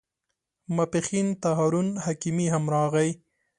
ماپښین ته هارون حکیمي هم راغی.